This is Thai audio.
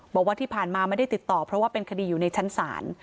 บอกว่าที่ผ่านมาไม่ได้ติดต่อเพราะว่าเป็นคดีอยู่ในชั้นศาล